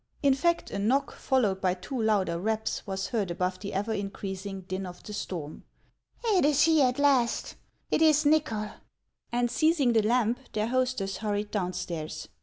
In fact, a knock, followed by two louder raps, was heard above the ever increasing din of the storm. " It is he at last ! It is Nychol !" 142 HANS OF ICELAND. And seizing the lamp, their hostess hurried downstairs.